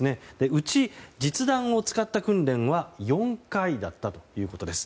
うち実弾を使った訓練は４回だったということです。